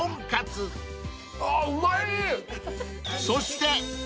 ［そして］